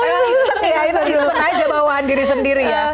itu diselek aja bawaan diri sendiri ya